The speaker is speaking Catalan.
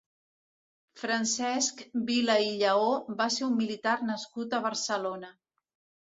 Francesc Vila i Lleó va ser un militar nascut a Barcelona.